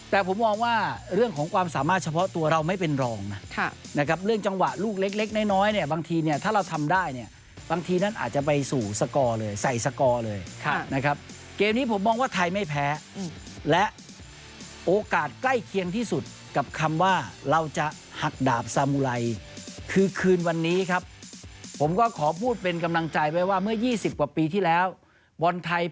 แต่ผมมองว่าเรื่องของความสามารถเฉพาะตัวเราไม่เป็นรองนะนะครับเรื่องจังหวะลูกเล็กเล็กน้อยเนี่ยบางทีเนี่ยถ้าเราทำได้เนี่ยบางทีนั้นอาจจะไปสู่สกอร์เลยใส่สกอร์เลยนะครับเกมนี้ผมมองว่าไทยไม่แพ้และโอกาสใกล้เคียงที่สุดกับคำว่าเราจะหักดาบสามุไรคือคืนวันนี้ครับผมก็ขอพูดเป็นกำลังใจไว้ว่าเมื่อ๒๐กว่าปีที่แล้วบอลไทย